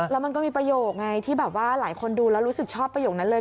แล้วมันก็มีประโยคไงที่แบบว่าหลายคนดูแล้วรู้สึกชอบประโยคนั้นเลย